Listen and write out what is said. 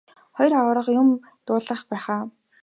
Хоёр аварга юм дуулгах байх аа.